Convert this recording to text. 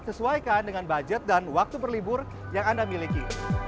sesuaikan dengan budget dan waktu berlibur yang anda miliki